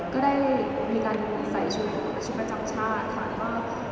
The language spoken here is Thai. ก็ได้มีการใส่ชุดประจำชาติค่ะ